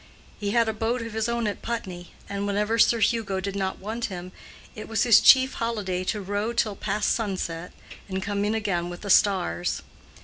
He had a boat of his own at Putney, and whenever Sir Hugo did not want him, it was his chief holiday to row till past sunset and come in again with the stars.